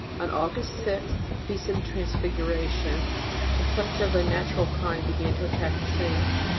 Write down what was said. On August 6 (Feast of the Trans figuration) complaints of a natural kind began to attack the Saint.